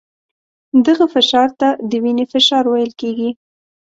دغه فشار ته د وینې فشار ویل کېږي.